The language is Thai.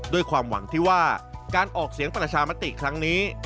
ด้วยความหวังที่ว่าการออกเสียงประชามติครั้งนี้